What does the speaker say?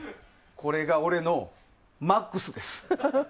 これが俺のマックスです。